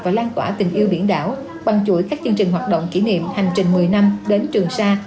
và lan tỏa tình yêu biển đảo bằng chuỗi các chương trình hoạt động kỷ niệm hành trình một mươi năm đến trường sa